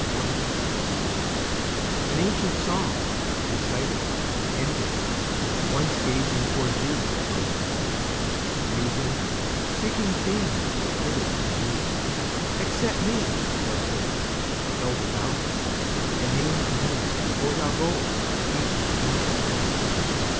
Old Chants An ancient song, reciting, ending, Once gazing toward thee, Mother of All, Musing, seeking themes fitted for thee, Accept me, thou saidst, the elder ballads, And name for me before thou goest each ancient poet.